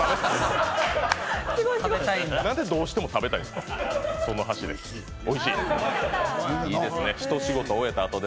なんでどうしても食べたいんですか、その箸で。